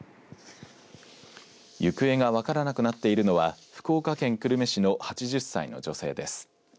行方が分からなくなっているのは福岡県久留米市の８０歳の女性です。